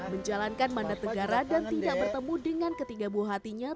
menjalankan mandat negara dan tidak bertemu dengan ketiga buah hatinya